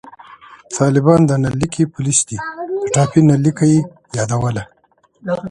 طالبان د نل لیکي پولیس دي، د ټاپي نل لیکه یې یادوله